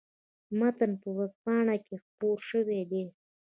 متن په ورځپاڼه کې خپور شوی دی.